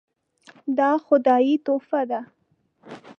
دا خدایي تحفه ده .